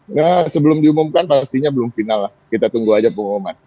nah sebelum diumumkan pastinya belum final lah kita tunggu aja pengumuman